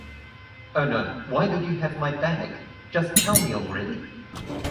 Oh no, why did you have my bag? Just tell me already!